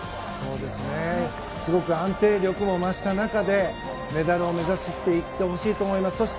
すごく安定力も増した中でメダルを目指していってほしいと思います。